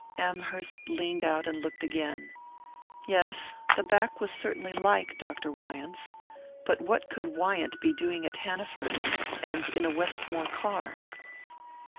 Amherst leaned out and looked again: yes, the back was certainly like Dr. Wyant's but what could Wyant be doing at Hanaford, and in a Westmore car?